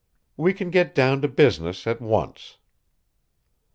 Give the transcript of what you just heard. "We can get down to business, at once."